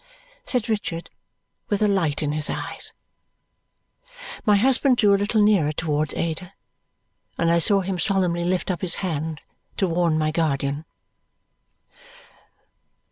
said Richard with a light in his eyes. My husband drew a little nearer towards Ada, and I saw him solemnly lift up his hand to warn my guardian.